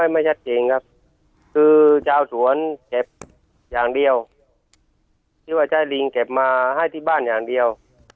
ไม่ชัดเจนครับคือชาวสวนเก็บอย่างเดียวที่ว่าจะให้ลิงเก็บมาให้ที่บ้านอย่างเดียว